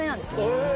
へえ。